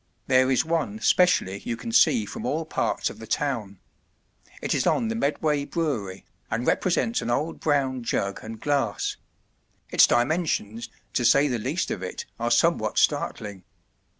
There is one specially you can see from all parts of the town. It is on the Medway Brewery, and represents an old brown jug and glass; its dimensions, to say the least of it, are somewhat startling.